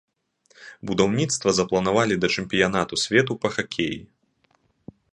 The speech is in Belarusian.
Будаўніцтва запланавалі да чэмпіянату свету па хакеі.